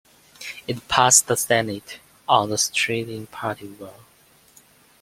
It passed the Senate on a straight party vote.